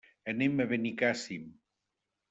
Anem a Benicàssim.